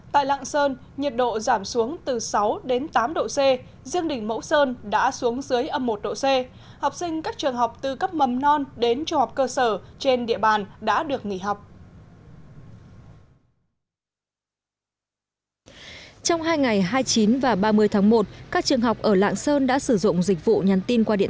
tại lạng sơn nhiệt độ giảm xuống từ sáu đến tám độ c riêng đỉnh mẫu sơn đã xuống dưới âm một độ c